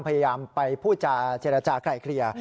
พยายามไปพูดจาเจรจากลายเคลียร์